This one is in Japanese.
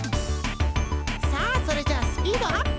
さあそれじゃあスピードアップ！